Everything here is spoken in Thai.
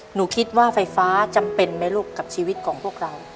หนูคิดว่าไฟฟ้าจำเป็นไหมลูกกับชีวิตของพวกเรา